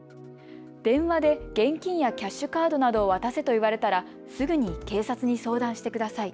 電話で現金やキャッシュカードなどを渡せと言われたらすぐに警察に相談してください。